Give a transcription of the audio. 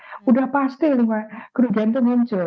sudah pasti kerugian itu muncul